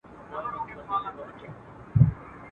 په پسته ژبه دي تل يم نازولى.